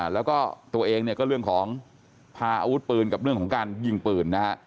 แล้วก็ตัวเองเนี่ยก็เรื่องของพาอาวุธปืนกับเรื่องของการยิงปืนนะฮะ